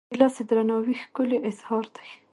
ګیلاس د درناوي ښکلی اظهار دی.